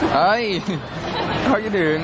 เฮ้ยโคตรเวียดึง